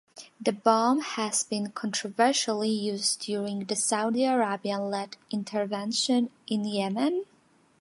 The bomb has been controversially used during the Saudi Arabian-led intervention in Yemen.